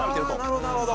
なるほどなるほど。